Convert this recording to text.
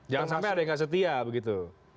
jangan sampai ada yang nggak setia begitu